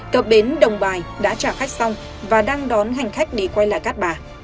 cập bến đồng bài đã trả khách xong và đang đón hành khách đi quay lại cát bà